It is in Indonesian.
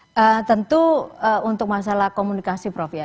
itu untuk masalah komunikasi prof ya